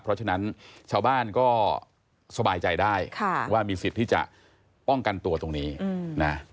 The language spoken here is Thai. เพราะฉะนั้นชาวบ้านก็สบายใจได้ว่ามีสิทธิ์ที่จะป้องกันตัวตรงนี้นะ